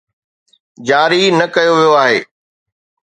جاري نه ڪيو ويو آهي.